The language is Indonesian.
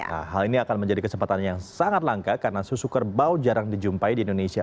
nah hal ini akan menjadi kesempatan yang sangat langka karena susu kerbau jarang dijumpai di indonesia